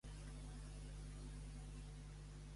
La columna Ochterlony de Calcuta commemora el seu nom.